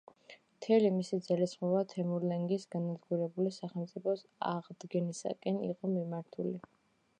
მთელი მისი ძალისხმევა თემურლენგის განადგურებული სახელმწიფოს აღდგენისაკენ იყო მიმართული.